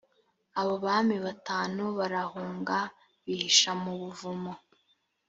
abo bami batanu barahunga bihisha mu buvumo